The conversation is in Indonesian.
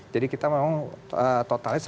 jadi kita memang totalnya